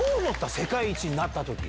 世界一になったとき。